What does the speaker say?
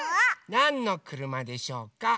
なんのくるまでしょうか？